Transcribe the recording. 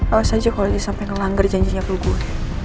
awas aja kalo dia sampai ngelanggar janjinya peluk gue